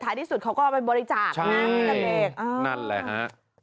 ท้ายที่สุดเขาก็เอาไปบริจาคนั้นแหละ